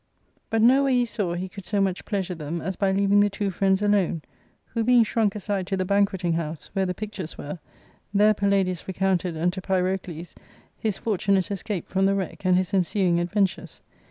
But no way he saw he could so much pleasure them as by leaving the two friends alone, who being shrunk aside to the banqueting house, where the pictures were, there Palladius recounted unto Pyrocles his fortunate escape from the wreck and his ensuing adventures.